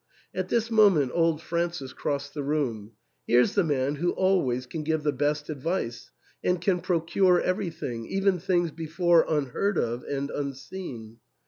At this moment old Francis crossed the room. " Here's the man who always can give the best advice, and can procure everything, even things before unheard of and unseen."